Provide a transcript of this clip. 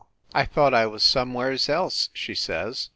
I thought I was somewheres else," she says.